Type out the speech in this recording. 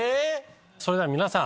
それでは皆さん。